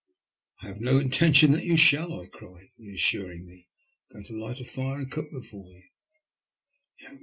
I have no intention that you shall," I cried, re assuringly. ''I am going to light a fire and cook them for you."